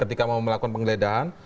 ketika mau melakukan pengledahan